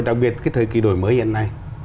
đặc biệt cái thời kỳ đổi mới hiện nay